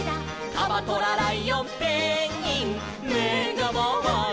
「カバトラライオンペンギンめがまわる」